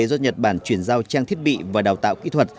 do nhật bản chuyển giao trang thiết bị và đào tạo kỹ thuật